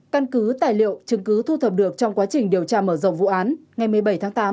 căn cứ tài liệu chứng cứ thu thập được trong quá trình điều tra mở rộng vụ án ngày một mươi bảy tháng tám